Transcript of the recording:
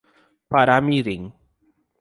Paramirim